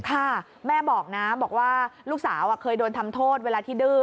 ค่ะแม่บอกนะบอกว่าลูกสาวเคยโดนทำโทษเวลาที่ดื้อ